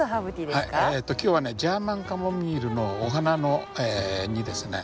今日はジャーマンカモミールのお花にですね